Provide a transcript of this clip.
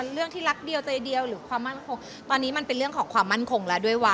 เรื่องที่รักเดียวไตหรือความมั่นคง